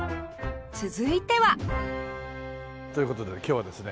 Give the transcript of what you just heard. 続いてはという事で今日はですね